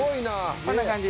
こんな感じに。